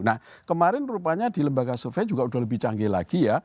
nah kemarin rupanya di lembaga survei juga sudah lebih canggih lagi ya